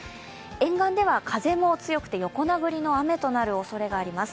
沿岸では風も強くて横殴りの雨となるおそれがあります。